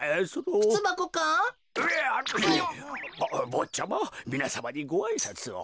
ぼっちゃまみなさまにごあいさつを。